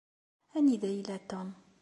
Anida yella Tom